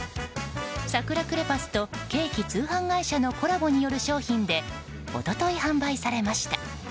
サクラクレパスとケーキ通販会社のコラボによる商品で一昨日販売されました。